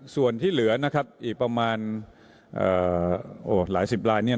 ส่วนที่เหลือประมาณหลายสิบราย